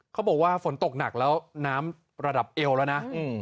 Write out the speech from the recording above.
เขาบอกว่าฝนตกหนักแล้วน้ำระดับเอวแล้วนะ